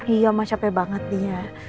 iya mas capek banget dia